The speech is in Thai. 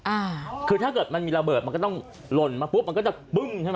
อ่าคือถ้าเกิดมันมีระเบิดมันก็ต้องหล่นมาปุ๊บมันก็จะปึ้งใช่ไหม